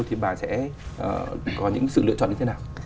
thì bà sẽ có những sự lựa chọn như thế nào